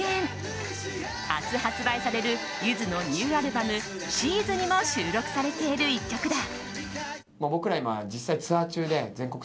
明日発売されるゆずのニューアルバム「ＳＥＥＳ」にも収録されている１曲だ。